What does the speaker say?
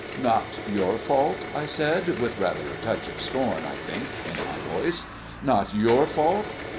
"Not your fault!" I said, with rather a touch of scorn, I think, in my voice; "not your fault!